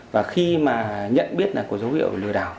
và khi mà nhận biết là có dấu hiệu lừa đảo